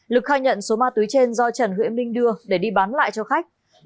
lực khai nhận số ma túy trên do trần huyễ minh đưa để đi bán lại cho khách